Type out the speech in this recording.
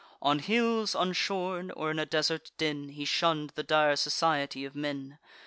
On hills unshorn, or in a desert den, He shunn'd the dire society of men.